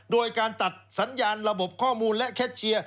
โดยการตัดสัญญาณระบบข้อมูลและแคทเชียร์